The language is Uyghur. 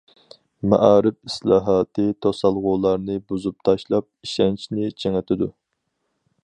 مائارىپ ئىسلاھاتى توسالغۇلارنى بۇزۇپ تاشلاپ ئىشەنچنى چىڭىتىدۇ.